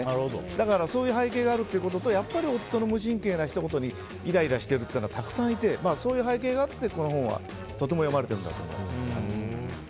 だからそういう背景があるということとやっぱり夫の無神経なひと言にイライラしている方がたくさんいてそういう背景があってこの本がとても読まれているんだと思います。